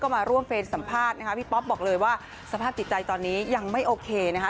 มาร่วมเฟรมสัมภาษณ์นะคะพี่ป๊อปบอกเลยว่าสภาพจิตใจตอนนี้ยังไม่โอเคนะคะ